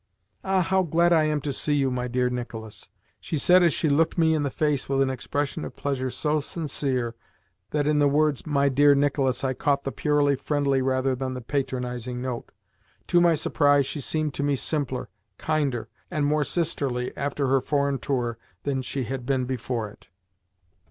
"Ah! how glad I am to see you, my dear Nicolas!" she said as she looked me in the face with an expression of pleasure so sincere that in the words "my dear Nicolas" I caught the purely friendly rather than the patronising note. To my surprise she seemed to me simpler, kinder, and more sisterly after her foreign tour than she had been before it.